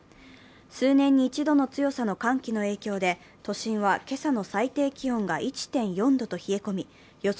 数年に一度の強さの寒気の影響で都心は今朝の最低気温が１．４度と冷え込み予想